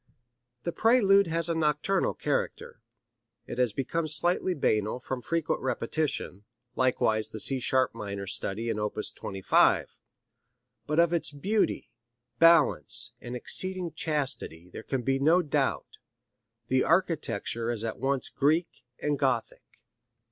The prelude has a nocturnal character. It has become slightly banal from frequent repetition, likewise the C sharp minor study in opus 25. But of its beauty, balance and exceeding chastity there can be no doubt. The architecture is at once Greek and Gothic.